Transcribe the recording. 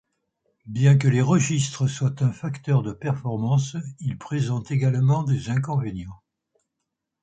Bien que les registres soient un facteur de performance, ils présentent également des inconvénients.